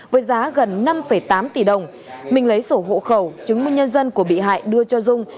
với giá gần năm tám tỷ đồng minh lấy sổ hộ khẩu chứng minh nhân dân của bị hại đưa cho dung